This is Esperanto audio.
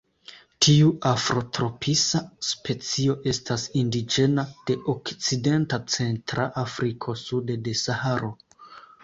Tiu afrotropisa specio estas indiĝena de Okcidenta Centra Afriko sude de Saharo.